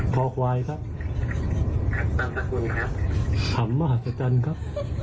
พลาดควายครับธรรมสัตว์สรรคุณครับขำมาฮัศจรรย์ครับ